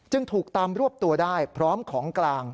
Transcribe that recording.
ถูกตามรวบตัวได้พร้อมของกลาง